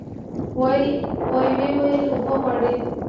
ويې ويل اوبه غواړي.